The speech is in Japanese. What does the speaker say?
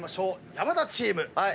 山田チーム。